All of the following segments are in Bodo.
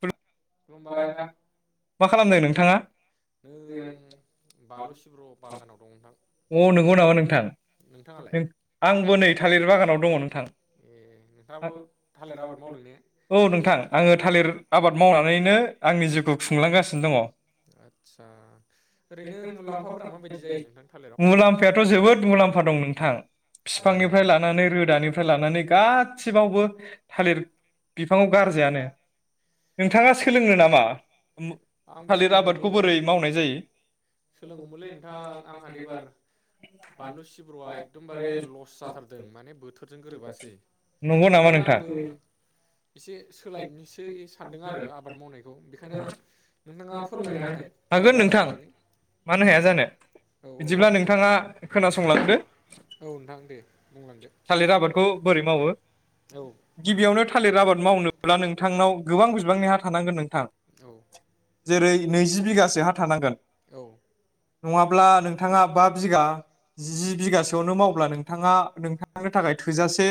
खुलु खुलुमबाय नोंथां मा खालामदों नोंथांआ नै आं बानलु सिब्र बागानाव दं नोंथां। औ नंगौ नामा नोंथां आंबो नै थालिर बागानाव दङ नोंथां औ नोंथां आङो थालिर आबाद माव [unintelligible] नो आंनि जिउखौ खुंलांगासिनो दङ [inaudible] मुलाम्फायाथ जोबोद मुलाम्फा दं नोंथां बिफांनिफ्राय लानानै रोदानिफ्राय लानानै गासिबावबो थालिर बिफाङाव गारजायानो। नोंथाङा सोलोंनो नामा थालिर आबादखौ बोरै मावनाय जायो। बार बानलु सिब्रुआ एकदमबारे लस जाथारदों माने बोथोरजों गोरोबासै बेखायनो आंबो एसे सोलायनिसै। सानदों आरो आबाद मावनायखौ बेखायनो नोंथाङा फोरमायना होनाय थालिर आबादनि बागै औ। बिदिब्ला नोंथाङा खोनासंलांदो थालिर आबादखौ बोरै मावो गिबियावनो थालिर आबाद मावनोब्ला नोंथांनाव गोबां बिबांनि हा थानांगोन नोंथां जेरै नैजि बिगासो हा थानांगोन नङाब्ला नोंथाङा बा बिगा जि बिगासोआवनो मावब्ला नोंथाङा नोंथां नोंथांनो थाखाय थोजासे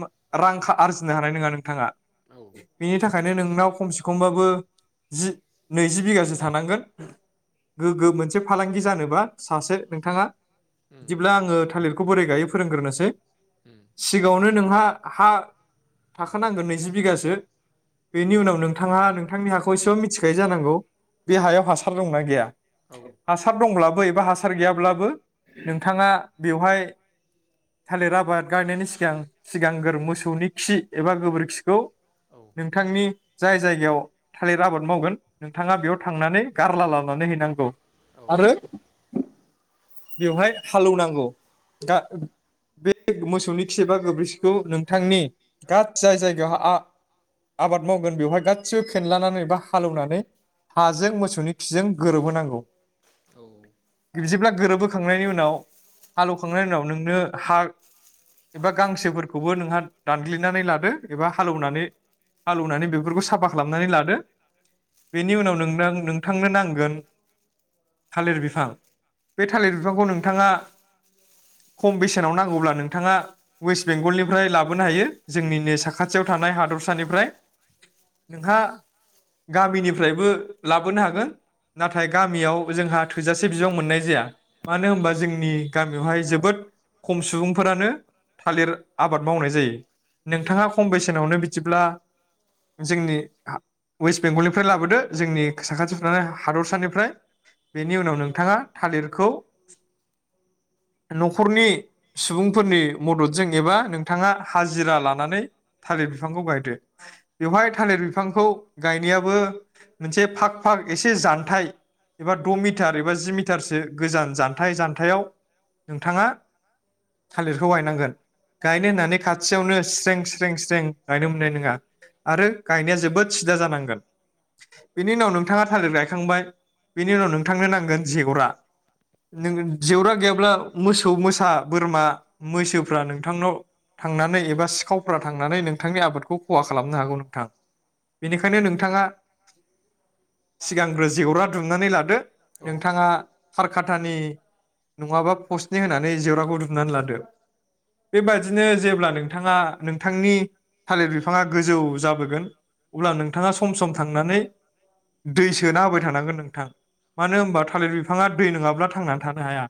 मो रां आरजिनो हानाय नोङा नोंथाङा बिनि थाखायनो नोंनाव खमसे खमबाबो जि नैजि बिगासो थानांगोन गोग्गो मोनसे फालांगि जानोबा सासे नोंथाङा बिदिब्ला आङो थालिरखौ बोरै गायो फोरोंग्रोनोसै सिगाङावनो नोंहा हा थाखानांगोन नैजि बिगासो बेनि उनाव नोंथाङा नोंथांनि हाखौ एसेबाबो मिथिखायो जानांगौ बे हायाव हासार दंना गैया हासार दंब्लाबो एबा हासार गैयाब्लाबो नोंथाङा बेवहाय थालिर आाबाद गायनायनि सिगां सिगांग्रो मोसौनि खि एबा गोबोरखिखौ नोंथांनि जाय जायगायाव थालिर आबाद मावगोन नोंथाङा बेयाव थांनानै गारला लानानै हैनांगौ आरो बेवहाय हालौनांगौ दा बे मोसौनि खि एबा गोबोरखिखौ नोंथांनि गादसै जायगायाव आ आबाद मावगोन बेवहाय गासिबो खेनलानानै बा हालौनानै हाजों मोसौनि खिजों गोरोबहोनांगौ बिबदिब्ला गोरोबबोखांनायनि उनाव हालौख खांनाय उनाव नोंनो हा एबा गांसोफोरखौबो नोंहा दानग्लिनानै लादो एबा हालेवनानै हालौनानै बेफोरखौ साफा खालामनानै लादो बेनि उनाव नोनो नोंथांनो नांगोन थालिर बिफां बे थालिर बिफांखौ नोंथाङा खम बेसेनाव नांगौब्ला नोंथाङा वेस्ट बेंगलनिफ्राय लाबोनो हायो जोंनिनो साखाथियाव थानाय हादर सानिफ्राय नोंहा गामिनिफ्रायबो लाबोनो हागोन नाथाय गामियाव जोंहा थोजासे बिबां मोननाय जाया मानो होनबा जोंनि गामियावहाय जोबोद खम सुबुंफोरानो थालिर आबाद मावनाय जायो नोंथाङा खम बेसेनावनो बिदि ब्ला जोंनि वेस्ट बेंगलनिफ्राय लाबोदो जोंनि साखाथि फुरनानै हादरसानिफ्राय बेनि उनाव नोंथाङा थालिरखौ न'खरनि सुबुंफोरनि मददजों एबा नोंथाङा हाजिरा लानानै थालिर बिफां बेवहाय थालिर बिफांखौ गायनायाबो मोनसे फाग फाग एसे जान्थाइ एबा द मिटार एबा जि मिटारसो गोजान जान्थाइ जान्थायाव नोंथाङा थालिरखौ गायनांगोन गायनो होननानै खाथियावनो स्रें स्रें स्रें गायनो मोननाय नङा आरो गायनाया जोबोद सिदा जानांगोन बेनि उनाव नोंथाङा थालिर गायखांबाय बेनि उनाव नोंथांनो नांगोन जेवरा नों जेवरा गैया ब्ला मोसौ मोसा बोरमा मैसोफ्रा नोंथांनाव थांनानै एबा सिखावफ्रा थांनानै नोंथां नोंथांनि आबादखौ खहा खालामनो हागौ नोंथां बेनिखायनो नोंथाङा सिगांग्रो जेवरा दुमनानै लादो नोंथाङा हारकतानि नङाबा पष्टनि होनानै जेवराखौ दुमनानै लादो बेबायादिनो जेब्ला नोंथाङा नोंथांनि थालिर बिफाङा गोजौ जाबोगोन अब्ला नोंथाङा सम सम थांनानै दै सोना होबाय थानांगोन नोंथां मानो होनबा थालिर बिफाङा दै नङाब्ला थांनानै थानो हाया।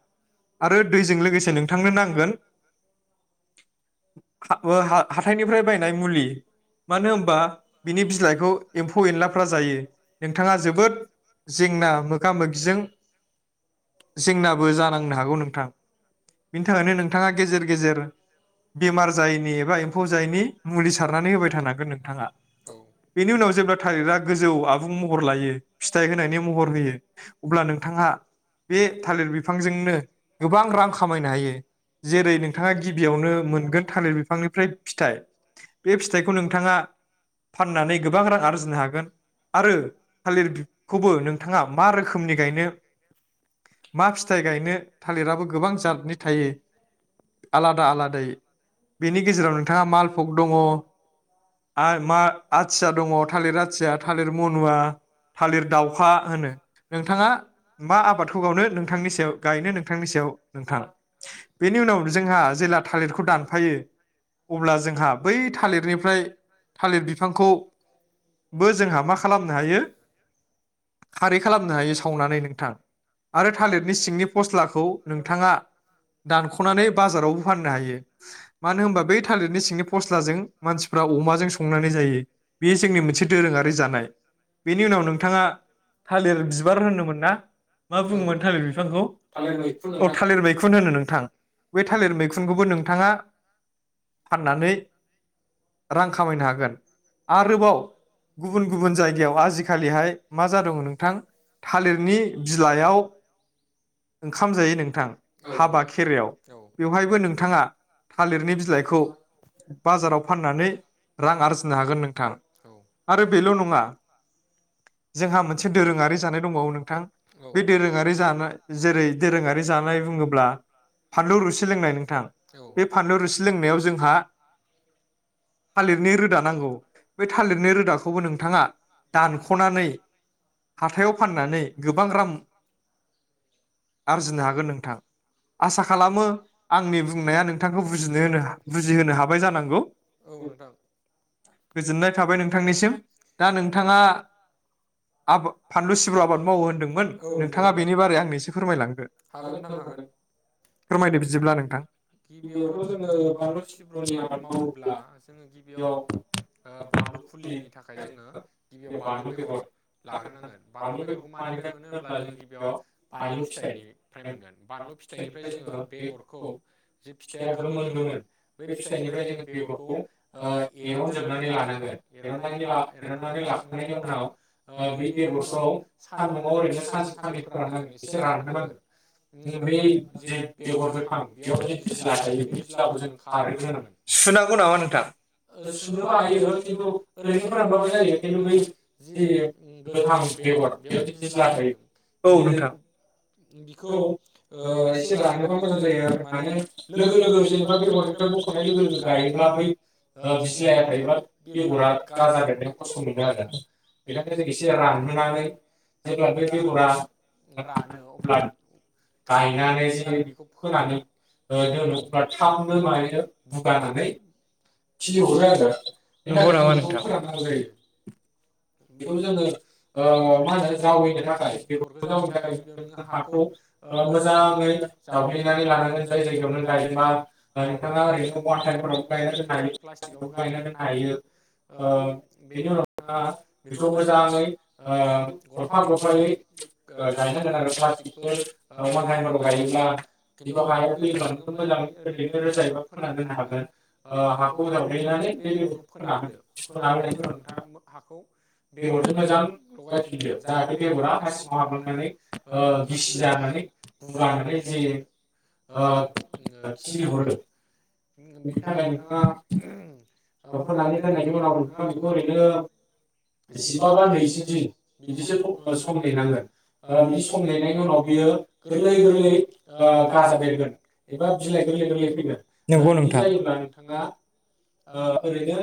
आरो दैजों लोगोसे नोंथांनो नांगोन [inaudible] हा बो हा-हाथायनिफ्राय बायनाय मुलि मानो होनबा बिनि बिलाइखौ एम्फौ एनलाफ्रा जायो नोंथाङा जोबोद जेंना मोगा मोगिजों जेंनाबो जानोबो नांनो हागौ नोंथां बेनि थाखायनो नोंथाङा गेजेर गेजेर बेमार जा जायैनि एबा एम्फौ जायैनि मुलि सारनानै होबाय थांगोन नोंथाङा बेनि उनाव जेब्ला थालिरा गोजौ आबुं महर लायो फिथाइ होनायनि महर होयो अब्ला नोंथाङा बे थालिर बि गोबां रां खामायनो हायो जेरै नोंथाङा गिबियावनो मोनगोन बिफांनिफ्राय फिथाइ बे फिथाइखौ नोंथाङा फाननानै गोबां रां आरजिनो हागोन आरो थालिर बिखौबो नोंथाङा मा रोखोमनि गायनो मा फि गायनो थालिराबो गोबां जादनि थायो आलादा आलादायै बेनि गेजेराव नोंथाङा मालभग दङ', मा आथिया दङ', थालिर आथिया, थालिर मनुवा, थालिर दाउखा होनो नोंथाङा मा आबादखौ मावनो नोंथांनि गायनो नोंथांनि सायाव नोंथां बेनि उनाव जोंहा जेला थालिरखौ दानफायो अब्ला जोंहा बै थालिरनिफ्राय थालिर बिफांखौबो जोंहा मा खालामनो हायो खारै खालामनो हायो सावनानै नोंथां आरो थालिर थालिरनि सिंनि फस्लाखौ नोंथाङा दानखनानै बाजारावबो फाननो हायो मानो होनबा बै थालिरनि सिंनि फस्लाजों मानसिफ्रा अमाजों संनानै जायो बे जोंनि मोनसे दोरोङारि जानाय बेनि उनाव नोंथाङा थालिर बिबार होनोमोन ना मा बुङोमोन थालिर बिब बिफांखौ औ थालिर मैखुन होनो नोंथां बे थालिर मैखुनखौबो नोंथाङा फाननानै रां खामायनो हागोन आरोबाव गुबुन गुबुन जायगायाव आजिखालिहाय मा जादों नोंथां थालिरनि बिलाइयाव ओंखाम जायो नोंथां हाबा खेरायाव बेवहायबो नोंथाङा थालिरनि बिलाइखौ बाजाराव फाननानै रां आरजिनो हागोन नोंथां आरो बेल नङा जोंहा मोनसे दोरोङारि जानाय दंबावो नोंथां बे दोरोङारि जा जेरै दोरोङारि जानाय बुङोब्ला फानलु रुसि लोंनाय नोंथां बे फानलु रुसि लोंनायाव जोंहा थालिरनि रोदा नांगौ बे थालिरनि रोदाखौबो नोंथाङा दानखनानै हाथायाव फाननानै गोबां रां आरजिनो हागोन नोंथां आसा खालामो आंनि बुंनाया नोंथांखौ बुजिनो होनो बुजिहोनो हाबाय जानांगौ गोजोननाय थाबाय नोंथांनिसिम दा नोंथाङा आब फानलु सिब्रु आबाद मावो होनदोंमोन नोंथाङा बेनि बारै आं हागोन नोंथां हागोन गिबियावथ' जोङो बानलु सिब्रनि आब मावोब्ला जोङो गिबियाव बानलु फुलिनि थाखाय जोङो गिबियाव बानलु बेगर लाग्रोनांगोन बानलु बेगरखौ मानिफ्राय मोनो होनब्ला जोङो गिबियाव बानलु फिथाइनिफ्राय मोनगोन बानलु फिथाइनिफ्राय जोङो बेगरखौ जे फिथाइया गोमोन गोमोन बै फिथाइनिफ्राय जोङो बेगरखौ एरनजोबनानै लानांगोन एरनायनि ला एरननानै लाखांनायनि उनाव बै बेगरखौ सान्दुआव ओरैनो सानसे साननै [unintelligible] रानहोनांगोन उम बै जे बेगर गोथां बेयावदि बिज्ला थायो बे बिज्लाखौ जोङो खारहोग्रोनांगोन ओ सुनोबो हायो खिन्थु ओरैनो फोरानबाबो जायो खिन्थु बै जि उम गोथां बेगर बेयावदि बिज्ला थायो एयो बिखौ ओ एसे रानहोबा मोजां जायो आरो माने लोगो लोगो जेनेबा बेगरनिफ्राय बख'नाय लोगो लोगो गायोब्ला बै ओ बिज्लाया थायोबा बेगरा गाजा बेरनायाव खस्थ' मोनो आरो बेखायनो जों एसे रानहोनानै जेब्ला बै बेगरा रानो अब्ला गायनानै जे बेखौ फोनानै ओ दोनो अब्ला थाबनो मायो बुगानानै खिलिहरो आरो बेनि थाखायनो जों बेखौ फोराननांगौ जायो बेखौ जोङो ओ मा होनो जावैनो थाखाय बेगर बेखौ जावैनि थाखाय गि बेयाव नोङो हाखौ ओ मोजाङै जावग्लिनानै लानांगोन जाय जायगायाव नों गायगोनबा ओ नोंथाङा ओरैनो अवान टाइमफोरावबो गायना दोननो हायो प्लास्टिकआवबो गायना दोननो हायो ओम बेनि उनाव नोंथाङा बेखौ मोजाङै ओ गरफा गरफायै गो गायनाय [unintelligible] प्लास्टिकफोर ओ वान टाइमफोराव गायोब्ला खिन्थु हायाव फोयोब्ला नोङो मोजाङै ओरैनो रोजायैबाबो फोना दोननो हागोन ओ हाखौ जावग्लिनानै बे बेगरखौ फोना होदो फोना होनायनि उनाव नोंथाङा हाखौ बेगरजों मोजां लगायफिनदो जाहाथे बेगरा हा सिंङाव [unintelligible] ओ गिसि जानानै बुगानानै जे ओ ओम खिलिहरो बेनि थाखाय नोंथाङा फोनानै दोननायनि उनाव नोंथाङा बेखौ ओरैनो जिबा बा नैजि दिन बिदिसो थ सम नेनांगोन। ओ बिदि सम नेनायनि उनाव बेयो गोरलै गोरलै ओ गाजा बेरगोन एबा बिलाइ गोरलै गोरलै फैगोन ओ बिदि जायोब्ला नोंथाङा ओ ओरैनो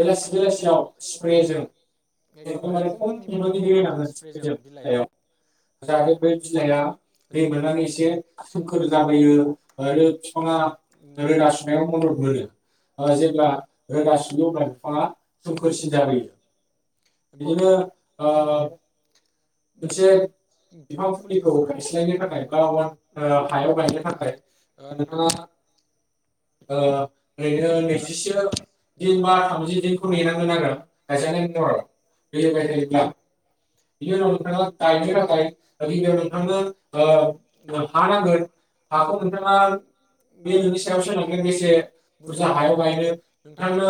बेलासि बेलासियाव स्प्रेजों एकदमबारे खम बिबांनि दै होनांगोन स्प्रेजों बिलाइयाव। जाहाथे बै बिलाइआ दै मोननानै एसे सोमखोर जाबोयो ओरो बिफाङा रोदा सुनायाव मदद मोनो ओ जेब्ला रोदा सुयो अब्ला बिफाङा सोमखोरसिन जाबोयो बिदिनो ओ मोनसे बिफां फुलिखौ गायस्लायनो थाखाय बा अवान ओ हायाव गायनो थाखाय ओ नोंथाङा ओ ओरैनो नैजिसो दिन बा थामजि दिनखौ नेनांगोन आरो गायजानाय महराव दै होबाय थायोब्ला बिनि उनाव नोंथाङा गायनो थाखाय गिबियाव नोंथांनो ओ हा नांगोन हाखौ नोंथाङा बे नोंनि सायाव सोनारगोन बेसे बुरजा हायाव गायनो नोंथांनो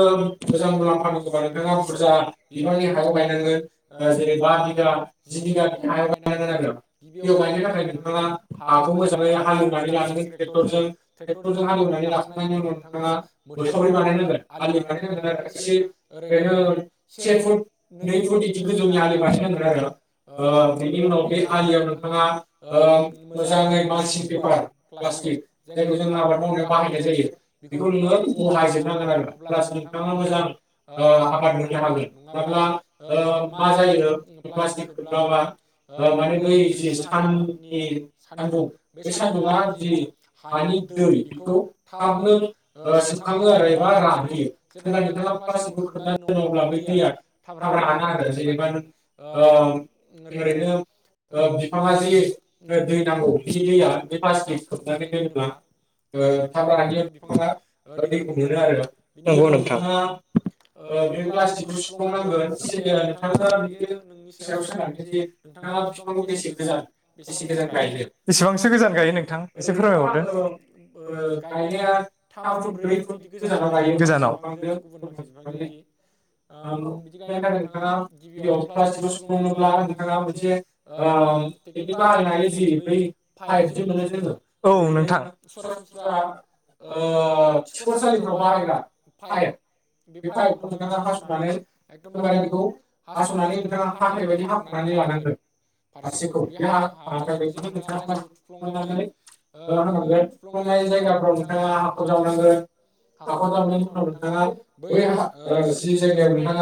मोजां मुलाम्फा नांगौबा नोंथाङा बुरजा बिबांनि हायाव गायनांगोन ओ जेरै बा बिगा जि बिगा बि हायाव गायनांगोन आरो गिबियाव गायनो थाखाय नोंथाङा हाखौ मोजाङै हालेवनानै लानांगोन ट्रेक्टरजों ट्रेक्टरजों हालेवनानै लाखांनायनि उनाव नोंथाङा मोथावरि बानायनांगोन आलि बानायनांगोन आरो एसे ओरैनो से फुट नै फुट इदि गोजौनि आलि बानायनांगोन आरो ओ बेनि उनाव बे आलियाव नोंथाङा ओ मोजाङै माल्सिं पेपार प्लास्टिक जायखौ जों आबाद मावनायाव बाहायनाय जायो बेखौ नोङो बहायजोबनांगोन आरो अब्लासो नोंथाङा मोजां ओ आबाद मोननो हागोन नङाब्ला ओ मा जायो प्लास्टिक खोब ब्रा-ब्रा ओ माने बै जि साननि सान्दुं बे सान्दुंआ जि हानि दै बेखौ थाबनो ओ सोबखाङो आरो एबा रानहोयो जेब्ला नोंथाङा प्लास्टिकखौ खोबना दोनो अब्ला बै दैया थाब राना आरो जेनेबा नों ओ ओरैनो ओ बिफाङा जि ओ दै नांगौ बे दैया बे प्लास्टिक खोबनानै दोनोब्ला ओ थाब रानियाव बिफाङा ओ दैखौ मोनो आरो बिनि उनाव नोंथाङा ओ बै प्लास्टिकखौ सुफ्लंनांगोन से नोंथाङा बिदि नोंनि सायाव [inaudible] जे नोंथाङा बिफांखौ बेसे गोजान बेसे गोजान गायनो ओरैनोथ' आङो ओ गायनाया थाम फुट ब्रै फुट इदि गोजानाव गायो फांसे बिफांजों गुबुन फांसे बिफांजों इदि ओम बिदि गायनो थाखाय नोंथाङा गिबियाव प्लास्टिकखौ सुफ्लंनो ब्ला नों नोंथाङा मोनसे ओ टेकनिक बाहायनो हायो जि बै पाइप जि मोनो जोङो ओरैनो सरासनस्रा ओ खिखरसालिफ्राव बाहायग्रा पाइप बे पाइपखौ नोंथाङा हासनानै एकदमबारे बेखौ हासनानै नोंथाङा हा [unintelligible] फुनानै लानांगोन फारसेखौ। बे हा-हाथाइ बायदिजों नोंथाङा प्लास्टिकखौ थुफ्लंनानै होनांगोन थुफ्लंनाय जायगाफ्राव नोंथाङा हाखर जावनांगोन। हाखर जावनायनि उनाव नोंथाङा बै हा ओ जि जायगायाव नोंथाङा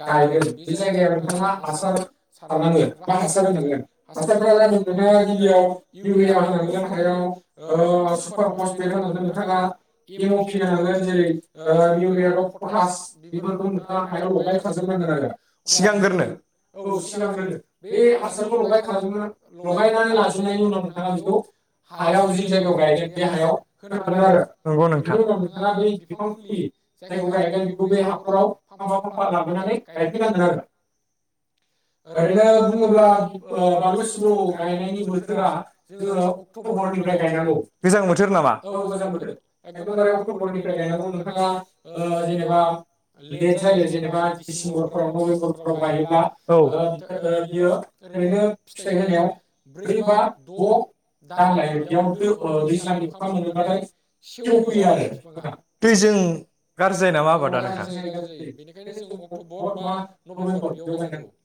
गायगोन बे जायगायाव नोंथाङा हासार सारनांगोन एबा हासार होनांगोन हासारफोरा जादों नोंथाङा गिबियाव इउरिया होनांगोन हायाव ओ सुपार पसपेट होनांगोन नोंथाङा एम अ पि होनांगोन जेरै मिउरियाडफ पटास बेफोरखौ नोंथाङा हायाव लगाय खाजोबनांगोन आरो अब्लासो जोङो औ सिगांग्रोनो बे हासारखौ लगायखाजोबनो लगायनानै लाजोबनायनि उनाव नोंथाङा बेखौ हायाव जि जायगायाव गायगोन ओरैनो बुङोब्ला बि ओ बानलु सिब्र' गायनायनि बोथोरा जोङो अक्टबरनिफ्राय गायनांगौ। औ गोजां बोथोर एकदमबारे अक्टबरनिफ्राय गायनांगौ नोंथाङा जेनेबा लेट जायो जेनेबा डिसेम्बरफोराव नभेम्बरफोराव गायोब्ला दैजों गाज्रि जायो नामा आबादा नोंथां? [unintelligible]